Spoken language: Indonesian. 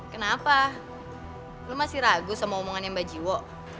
kenapa lo masih ragu sama omongannya mbak jiwo